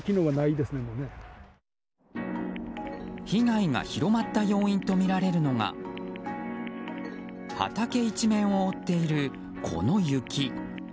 被害が広まった要因とみられるのが畑一面を覆っている、この雪。